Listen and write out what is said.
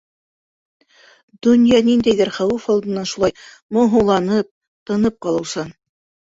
Донъя ниндәйҙер хәүеф алдынан шулай моңһоуланып, тынып ҡалыусан...